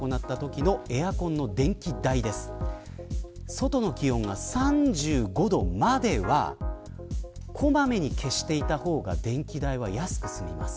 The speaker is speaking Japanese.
外の気温が３５度までは小まめに消しておいた方が電気代が安いです。